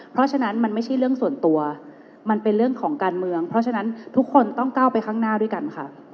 เพราะฉะนั้นมันไม่ใช่เรื่องส่วนตัวมันเป็นเรื่องของการเมืองเพราะฉะนั้นทุกคนต้องก้าวไปข้างหน้าด้วยกันค่ะ